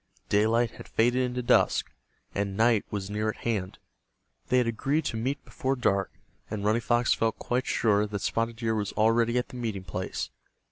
Daylight had faded into dusk, and night was near at hand. They had agreed to meet before dark, and Running Fox felt quite sure that Spotted Deer was already at the meeting place.